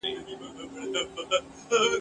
چي مي غزلي ورته لیکلې !.